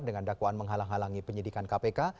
dengan dakwaan menghalang halangi penyidikan kpk